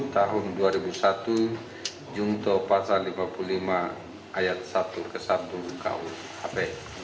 tahun dua ribu satu jungto pasal lima puluh lima ayat satu ke satu kuhp